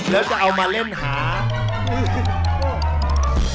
แล้วจะเอามาเล่นหา